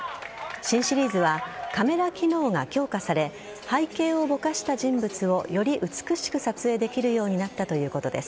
新シリーズはカメラ機能が強化され背景をぼかした人物をより美しく撮影できるようになったということです。